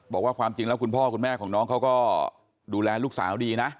บอกว่าความจริงแล้วคุณพ่อคุณแม่ของน้องเขาก็ดูแลลูกสาวดีนะ